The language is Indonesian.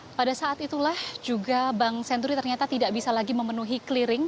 dan pada saat itulah juga bank senturi ternyata tidak bisa lagi memenuhi clearing